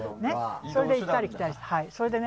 それで行ったり来たりして。